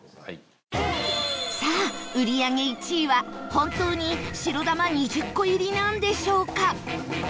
さあ、売り上げ１位は本当に、白玉２０個入りなんでしょうか？